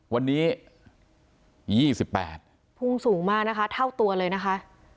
วันนี้๒๘พุ่งสูงมากนะคะเท่าตัวเลยนะคะ